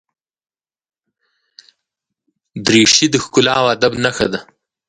دریشي د ښکلا او ادب نښه ده.